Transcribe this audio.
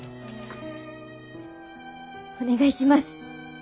お願いします。